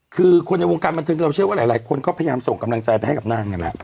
คือคนในวงการบันเทิงเราเชื่อว่าหลายคนก็พยายามส่งกำลังใจไปให้กับนางนี่แหละ